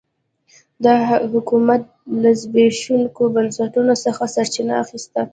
دا حکومت له زبېښونکو بنسټونو څخه سرچینه اخیسته.